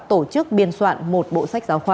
tổ chức biên soạn một bộ sách giáo khoa